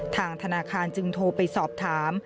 ทางธนาคารจึงโทรไปสอบถาม